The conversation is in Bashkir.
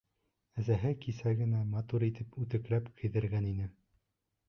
Әсәһе кисә генә матур итеп үтекләп кейҙергән ине.